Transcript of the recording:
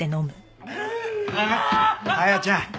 彩ちゃん